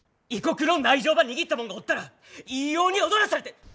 異国の内情ば握ったもんがおったらいいように踊らされて。